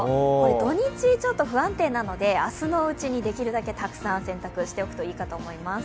土日ちょっと不安定なので明日のうちにできるだけたくさん洗濯しておくといいかと思います。